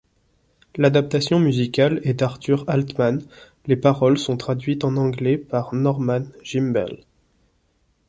L'adaptation musicale est d'Arthur Altman, les paroles sont traduites en anglais par Norman Gimbel.